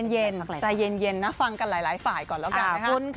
ใจเย็นนะฟังกันหลายฝ่ายก่อนแล้วกันนะคุณค่ะ